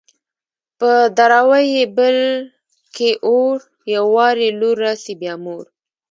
په دراوۍ يې بل کي اور _ يو وار يې لور راسي بيا مور